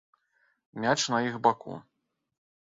Мяч на іх баку.